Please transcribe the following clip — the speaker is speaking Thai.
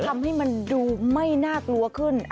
ทำให้มันดูไม่น่ากลัวขึ้น